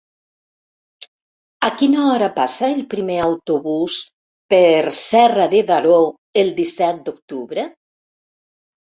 A quina hora passa el primer autobús per Serra de Daró el disset d'octubre?